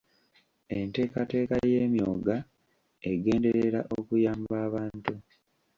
Enteekateeka y'Emyooga egenderera okuyamba abantu .